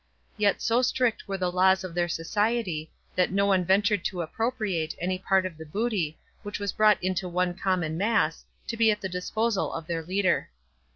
Yet so strict were the laws of their society, that no one ventured to appropriate any part of the booty, which was brought into one common mass, to be at the disposal of their leader.